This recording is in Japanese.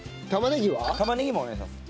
玉ねぎもお願いします。